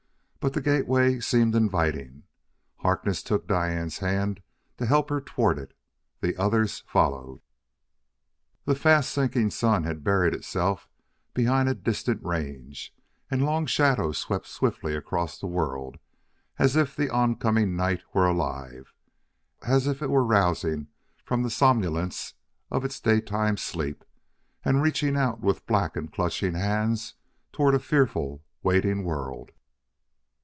But the gateway seemed inviting. Harkness took Diane's hand to help her toward it; the others followed. The fast sinking sun had buried itself behind a distant range, and long shadows swept swiftly across the world, as if the oncoming night were alive as if it were rousing from the somnolence of its daytime sleep and reaching out with black and clutching hands toward a fearful, waiting world.